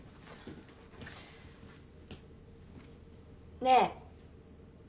ねえ。